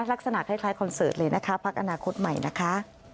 ลักษณะคล้ายคอนเสิร์ตเลยนะคะพักอนาคตใหม่นะคะ